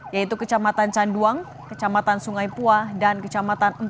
yaitu kecamatan canduang kecamatan sungai puah dan kecamatan empat